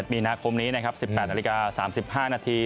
มีนาคมนี้นะครับ๑๘นาฬิกา๓๕นาที